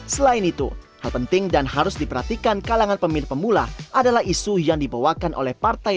selain itu hal penting dan harus diperhatikan kalangan pemilih pemula adalah isu yang dibawakan oleh partai